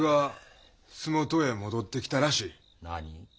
何？